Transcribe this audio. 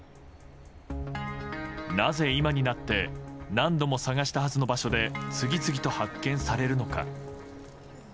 なぜ今になって何度も捜したはずの場所で次々と発見されるのか。